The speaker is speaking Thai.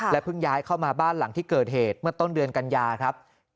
เพิ่งย้ายเข้ามาบ้านหลังที่เกิดเหตุเมื่อต้นเดือนกันยาครับ